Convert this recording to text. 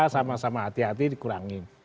sama sama hati hati dikurangin